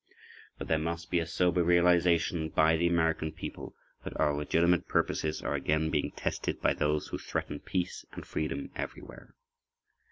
But there must be sober realization by the American people that our legitimate purposes are again being tested by those who threaten peace and freedom everywhere.